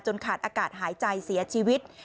ขาดอากาศหายใจเสียชีวิต